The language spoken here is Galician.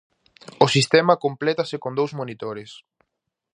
O sistema complétase con dous monitores.